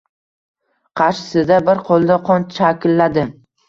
Qarshisida bir qo‘lida qon chakilladi.